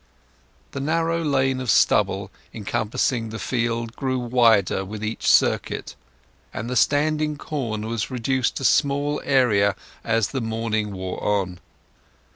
The narrow lane of stubble encompassing the field grew wider with each circuit, and the standing corn was reduced to a smaller area as the morning wore on.